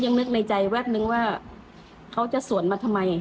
นึกในใจแวบนึงว่าเขาจะสวนมาทำไม